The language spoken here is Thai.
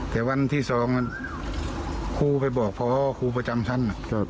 แต่วันที่สองครูไปบอกเพราะครูประจำฉัน